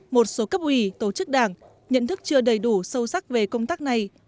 một số cấp ủy tổ chức đảng nhận thức chưa đầy đủ sâu sắc về công tác này